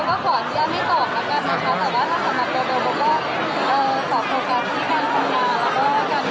เบลก็ขอเชื่อไม่ตอบนะคะนะคะแต่ว่าลักษณะเบล